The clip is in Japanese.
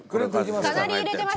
かなり入れてましたよ。